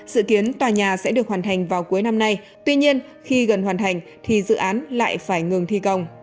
dự kiến tòa nhà sẽ được hoàn thành vào cuối năm nay tuy nhiên khi gần hoàn thành thì dự án lại phải ngừng thi công